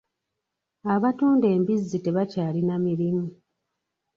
Abatunda embizzi tebakyalina mirimu.